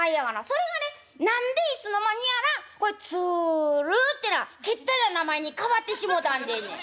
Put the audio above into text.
それがね何でいつの間にやらつるってなけったいな名前に変わってしもうたんでんねん」。